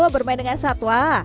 bermain dengan satwa